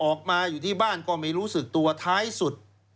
ออกมาอยู่ที่บ้านก็ไม่รู้สึกตัวท้ายสุด